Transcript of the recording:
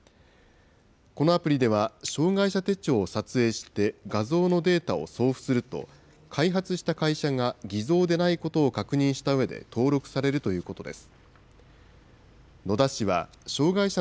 このアプリでは障害者手帳を撮影して画像のデータを送付すると、開発した会社が偽造でないことを確認したうえで登録されるということです。